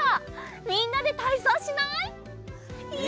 みんなでたいそうしない？